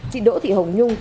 chị đỗ thị hồng nhung bà việt